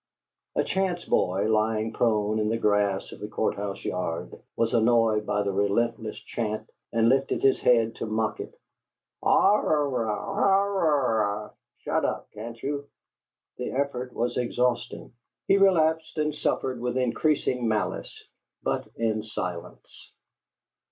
A chance boy, lying prone in the grass of the Court house yard, was annoyed by the relentless chant and lifted his head to mock it: "AWR EER AWR EER! SHUT UP, CAN'T YOU?" The effort was exhausting: he relapsed and suffered with increasing malice but in silence.